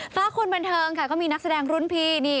ฟ้าคุณบรรเทิงก็มีนักแสดงรุ่นพี